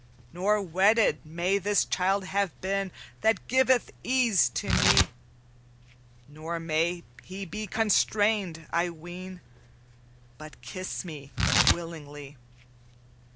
"'Nor wedded may this childe have been That giveth ease to me; Nor may he be constrained, I ween, But kiss me willingly.